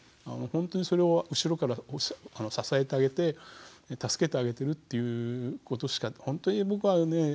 本当にそれを後ろから支えてあげて助けてあげてるっていうことしか本当に僕はね